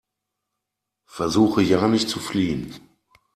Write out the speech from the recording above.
Versuche ja nicht zu fliehen!